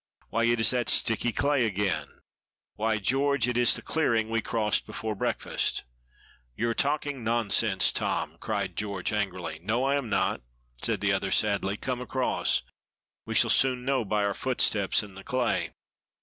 Why, it is that sticky clay again. Why, George, it is the clearing we crossed before breakfast." "You are talking nonsense, Tom," cried George, angrily. "No, I am not," said the other, sadly. "Come across. We shall soon know by our footsteps in the clay."